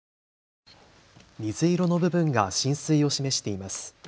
水色の部分が浸水を示しています。